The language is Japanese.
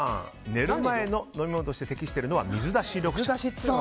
寝る前の飲み物として適しているのは水出し緑茶と。